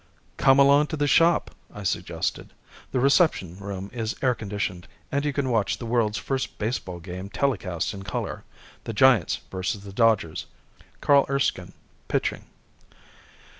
"Come along to the shop," I suggested. "The reception room is air conditioned and you can watch the world's first baseball game telecast in color. The Giants versus the Dodgers, Carl Erskine pitching."